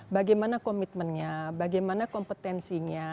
bagaimana komitmennya bagaimana kompetensinya